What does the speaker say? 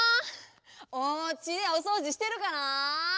おうちでおそうじしてるかなあ？